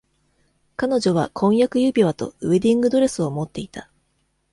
彼女は婚約指輪とウェディングドレスを持っていた。